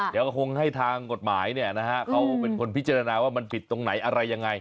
เดี๋ยวก็คงให้ทางกฎหมายเขาเป็นคนพิจารณาว่ามันผิดตรงไหนอะไรยังไง